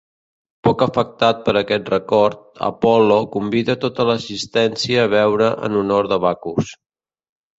Poc afectat per aquest record, Apol·lo convida tota l'assistència a beure en honor de Bacus.